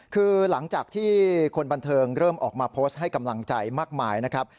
คือหลังจากที่คนบันเทิงเริ่มออกมาโพสต์ให้กำลังใจมากมายนะครับ